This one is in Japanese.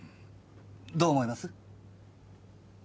どう思います？